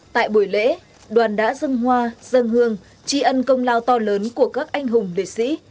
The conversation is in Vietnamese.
tại buổi lễ đoàn đã dân hoa dân hương tri ân công lao to lớn của các anh hùng liệt sĩ